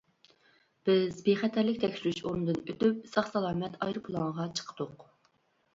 بىز بىخەتەرلىك تەكشۈرۈش ئورنىدىن ئۆتۈپ ساق-سالامەت ئايروپىلانغا چىقتۇق.